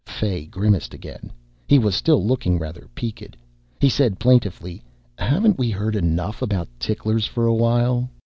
Fay grimaced again. He was still looking rather peaked. He said plaintively, "Haven't we heard enough about ticklers for a while?"